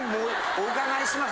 お伺いします」